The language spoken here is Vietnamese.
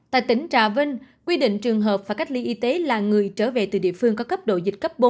tại tỉnh trà vinh quy định trường hợp phải cách ly y tế là người trở về từ địa phương có cấp độ dịch cấp bốn